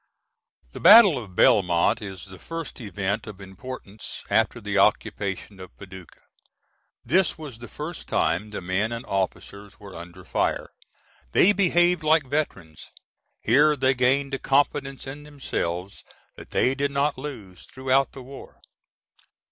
[The battle of Belmont is the first event of importance after the occupation of Paducah. This was the first time the men and officers were under fire; they behaved like veterans. Here they gained a confidence in themselves that they did not lose throughout the war.